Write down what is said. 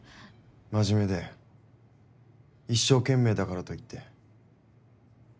真面目で一生懸命だからといって。